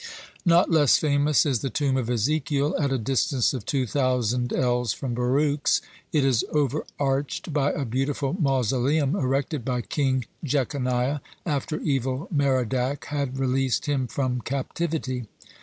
(74) Not less famous is the tomb of Ezekiel, at a distance of two thousand ells from Baruch's. It is overarched by a beautiful mausoleum erected by King Jeconiah after Evil merodach had released him from captivity.